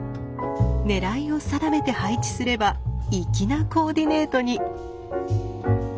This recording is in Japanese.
狙いを定めて配置すれば粋なコーディネートに。